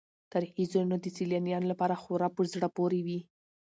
تاریخي ځایونه د سیلانیانو لپاره خورا په زړه پورې وي.